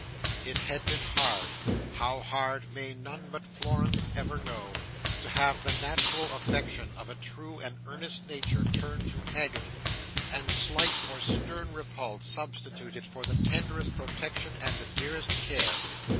It had been hard—how hard may none but Florence ever know!—to have the natural affection of a true and earnest nature turned to agony; and slight, or stern repulse, substituted for the tenderest protection and the dearest care.